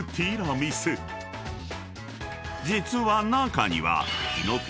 ［実は中には］